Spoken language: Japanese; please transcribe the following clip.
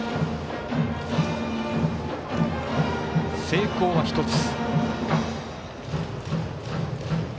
成功は１つ。